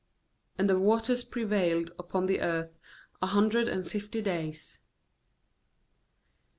^And the waters prevailed upon the earth a hundred and fif ty days.